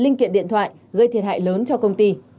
linh kiện điện thoại gây thiệt hại lớn cho công ty